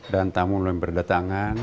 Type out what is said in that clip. dan tamu tamu yang berdatangan